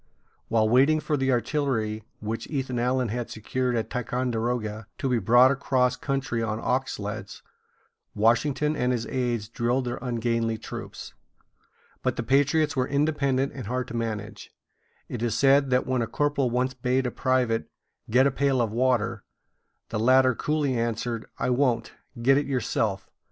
While waiting for the artillery which Ethan Allen had secured at Ticonderoga to be brought across country on ox sleds, Washington and his aids drilled their ungainly troops. But the patriots were independent and hard to manage. It is said that when a corporal once bade a private get a pail of water, the latter coolly answered: "I won't. Get it yourself.